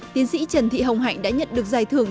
tiến sĩ trần thị hồng hạnh đã nhận được giải thưởng